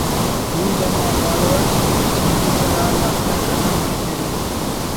بود انا بارو اٹ چندی سرحال آتیا قلم ہرفینے